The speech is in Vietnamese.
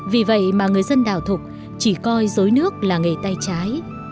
vì vậy mà người dân đảo thục chỉ coi dối nước là nghề tay trái